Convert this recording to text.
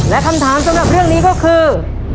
และคำถามสำหรับเรื่องนี้ก็คือ